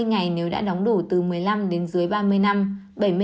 hai mươi ngày nếu đã đóng đủ từ một mươi năm đến dưới ba mươi năm